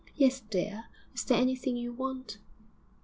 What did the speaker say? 'Yes, dear. Is there anything you want?'